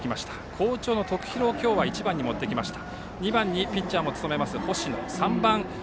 好調の徳弘を今日は１番に持ってきました。